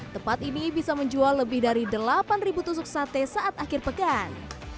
tempat ini bisa menjual lebih dari delapan tusuk sate saat akhir pekan